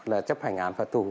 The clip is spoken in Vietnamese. là chấp hành án học